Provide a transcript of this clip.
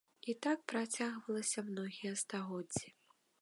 І так працягвалася многія стагоддзі.